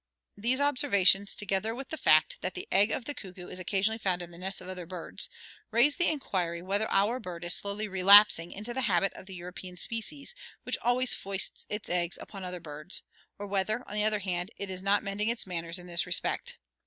These observations, together with the fact that the egg of the cuckoo is occasionally found in the nests of other birds, raise the inquiry whether our bird is slowly relapsing into the habit of the European species, which always foists its egg upon other birds; or whether, on the other hand, it is not mending its manners in this respect.